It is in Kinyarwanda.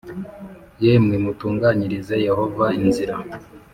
Yemwe mutunganyirize Yehova inzira.